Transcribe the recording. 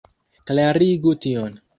Klarigu tion.